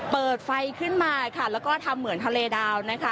เปิดไฟขึ้นมาค่ะแล้วก็ทำเหมือนทะเลดาวนะคะ